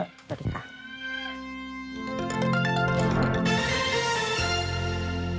สวัสดีค่ะ